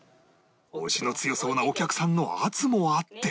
押しの強そうなお客さんの圧もあって